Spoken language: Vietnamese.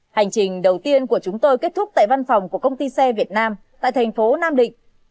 hành trình đầu tiên của chúng tôi kết thúc tại văn phòng của công ty xe việt nam tại thành phố nam định